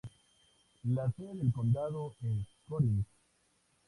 La sede del condado es Corinth.